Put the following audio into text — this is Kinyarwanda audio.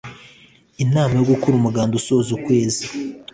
inama yo gukora umuganda usoza ukwezi